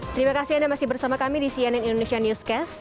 terima kasih anda masih bersama kami di cnn indonesia newscast